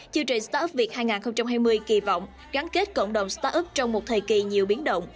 chương trình startup việt hai nghìn hai mươi kỳ vọng gắn kết cộng đồng startup trong một thời kỳ nhiều biến động